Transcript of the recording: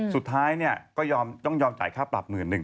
สุดท้ายเนี่ยก็ยอมต้องยอมจ่ายค่าปรับ๑๐๐๐๐หนึ่ง